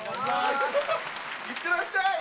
いってらっしゃい！